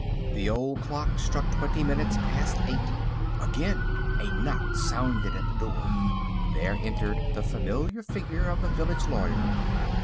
The old clock struck twenty minutes past eight. Again a knock sounded at the door. There entered the familiar figure of the village lawyer.